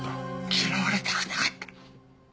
嫌われたくなかった。